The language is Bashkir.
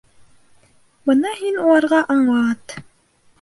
— Бына һин уларға аңлат...